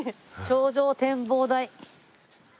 「頂上展望台」